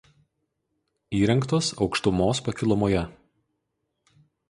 Įrengtos aukštumos pakilumoje.